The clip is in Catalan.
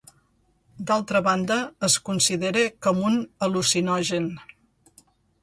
D'altra banda es considera com un al·lucinogen.